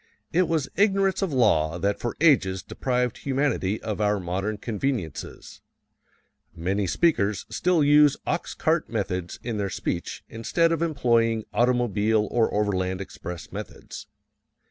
It was ignorance of law that for ages deprived humanity of our modern conveniences. Many speakers still use ox cart methods in their speech instead of employing automobile or overland express methods.